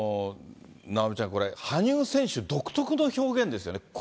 直美ちゃん、これ、羽生選手独特の表現ですよね。